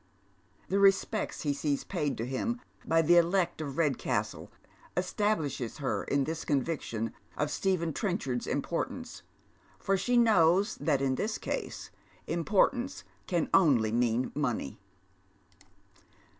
The respects he sees paid to him by the elect of Redcastle estab lishes her in this conviction of Stephen Trenchard's importance, for she knows that in this case importance can only mean money.